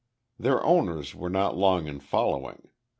Their owners were not long in following.